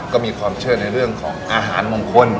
ก็มีความเชื่อในเรื่องของอาหารมงคล